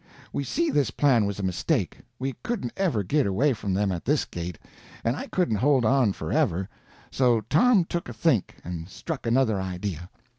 We see this plan was a mistake. We couldn't ever git away from them at this gait, and I couldn't hold on forever. So Tom took a think, and struck another idea.